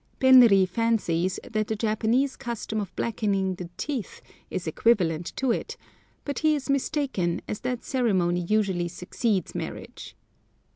Benri fancies that the Japanese custom of blackening the teeth is equivalent to it; but he is mistaken, as that ceremony usually succeeds marriage.